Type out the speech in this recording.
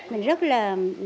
mình rất là